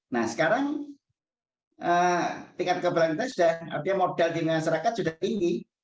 nah sekarang tingkat kekebalan kita sudah model di masyarakat sudah tinggi